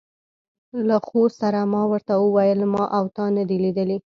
له خو سره ما ور ته وویل: ما او تا نه دي لیدلي.